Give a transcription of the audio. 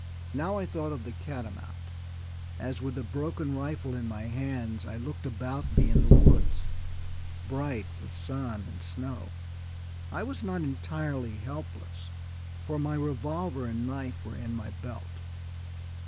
Now I thought of the catamount, as, with the broken rifle in my hands, I looked about me in the woods, bright with sun and snow. I was not entirely helpless, for my revolver and knife were in my belt.